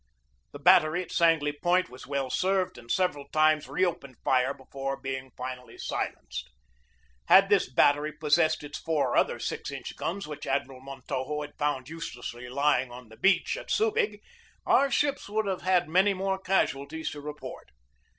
The battery at Sangley Point was well served, and several times reopened fire before being finally silenced. Had this battery possessed its four other 6 inch guns which Admiral Montojo had found use lessly lying on the beach at Subig, our ships would have had many more casualties to report.